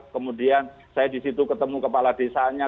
kemudian saya disitu ketemu kepala desanya